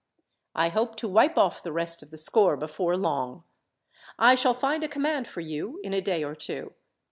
I hope to wipe off the rest of the score before long. I shall find a command for you, in a day or two.